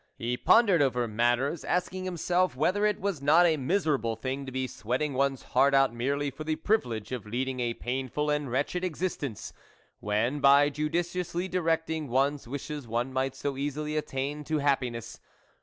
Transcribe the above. He pondered over matters, asking himself whether it was not a miserable thing to be sweating one's heart out merely for the privilege of leading a painful and wretched existence, when, by judiciously directing one's wishes one might so easily attain to happiness.